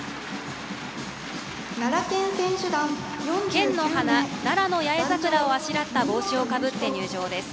県の花ナラノヤエザクラをあしらった帽子をかぶって入場です。